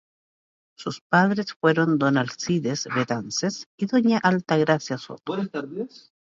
Sus padres fueron don Alcides Betances y doña Altagracia Soto.